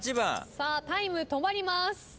タイム止まります。